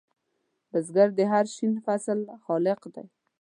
بزګر د هر شین فصل خالق دی